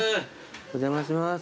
お邪魔します。